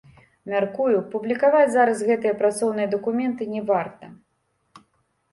Мяркую, публікаваць зараз гэтыя працоўныя дакументы не варта.